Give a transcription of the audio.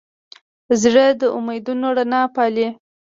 زړه د امیدونو رڼا پالي.